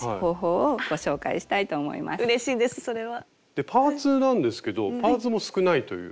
でパーツなんですけどパーツも少ないという。